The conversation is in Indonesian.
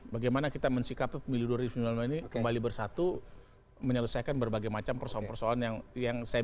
bagaimana kita mensikapi pemilu dua ribu sembilan belas ini kembali bersatu menyelesaikan berbagai macam persoalan persoalan yang saya bilang tadi sebagai residu pemilu dua ribu sembilan belas